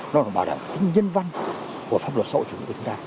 nó là bảo đảm cái nhân văn của pháp luật sậu chủ nghĩa của chúng ta